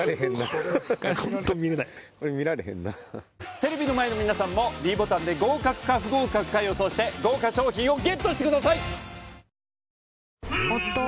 テレビの前の皆さんもｄボタンで合格か不合格か予想して豪華賞品をＧＥＴしてくださいんー！